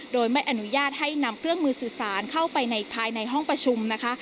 โดยไม่อนุญาตให้นำเครื่องมือสื่อสารเข้าไปภายในห้องประชุมนะคะ